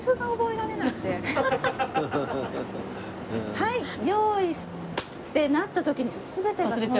「はい用意」ってなった時に。